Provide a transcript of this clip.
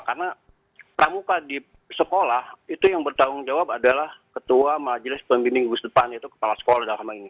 karena pramuka di sekolah itu yang bertanggung jawab adalah ketua majelis pemimpin gugus depan yaitu kepala sekolah dalam hal ini